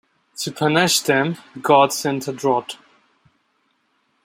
To punish them, God sent a drought.